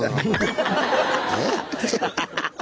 ハハハハ！